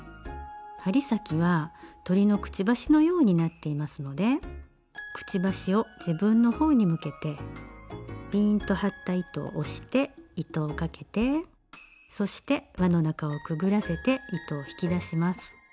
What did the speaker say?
針先は鳥のくちばしのようになっていますのでくちばしを自分の方に向けてピーンと張った糸を押して糸をかけてそして輪の中をくぐらせて糸を引き出します。